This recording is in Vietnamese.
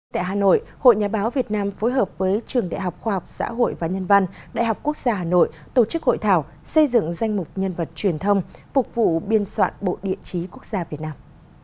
tại hà nội hội nhà báo việt nam phối hợp với trường đại học khoa học xã hội và nhân văn đại học quốc gia hà nội tổ chức hội thảo xây dựng danh mục nhân vật truyền thông phục vụ biên soạn bộ địa chí quốc gia việt nam